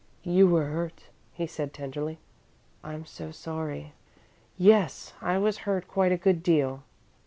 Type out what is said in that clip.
"You were hurt," he said, tenderly. "I'm so sorry." "Yes. I was hurt quite a good deal."